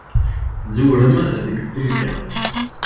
Tẓewrem deg tsekla.